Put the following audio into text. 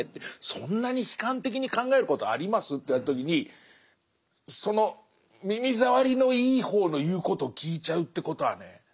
そんなに悲観的に考えることあります？って言われた時にその耳ざわりのいい方の言うことを聞いちゃうってことはね